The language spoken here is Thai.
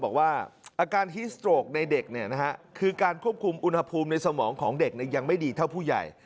บอกว่าอาการฮิสโตรกในเด็กคือการควบคุมอุณหภูมิในสมองของเด็กยังไม่ดีเท่าผู้ใหญ่